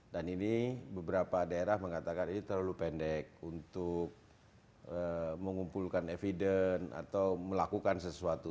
dan ini beberapa daerah mengatakan ini terlalu pendek untuk mengumpulkan evidence atau melakukan sesuatu